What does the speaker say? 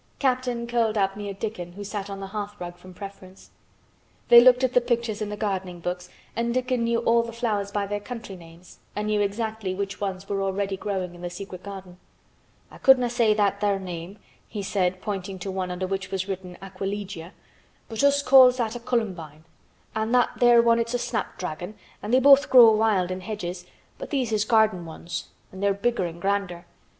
Captain curled up near Dickon, who sat on the hearth rug from preference. They looked at the pictures in the gardening books and Dickon knew all the flowers by their country names and knew exactly which ones were already growing in the secret garden. "I couldna' say that there name," he said, pointing to one under which was written "Aquilegia," "but us calls that a columbine, an' that there one it's a snapdragon and they both grow wild in hedges, but these is garden ones an' they're bigger an' grander.